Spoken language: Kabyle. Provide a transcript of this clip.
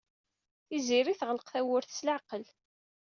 Tiziri teɣleq tawwurt s leɛqel.